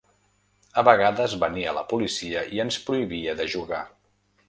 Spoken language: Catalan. A vegades venia la policia i ens prohibia de jugar.